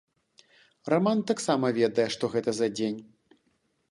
Раман таксама ведае, што гэта за дзень.